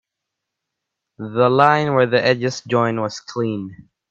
The line where the edges join was clean.